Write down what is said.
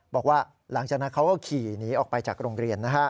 บอกว่าหลังจากนั้นเขาก็ขี่หนีออกไปจากโรงเรียน